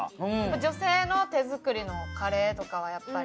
女性の手作りのカレーとかはやっぱり。